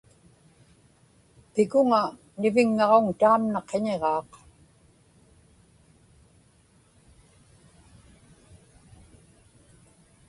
pikuŋa niviŋŋaġuŋ taamna qiñiġaaq